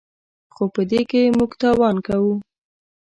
خو په دې کې موږ تاوان کوو.